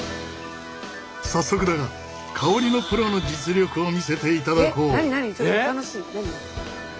早速だが香りのプロの実力を見せていただこう。